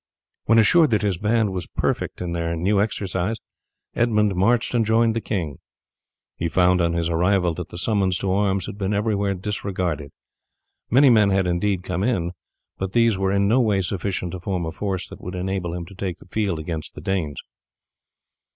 When assured that his band were perfect in their new exercise Edmund marched and joined the king. He found on his arrival that the summons to arms had been everywhere disregarded. Many men had indeed come in, but these were in no way sufficient to form a force which would enable him to take the field against the Danes.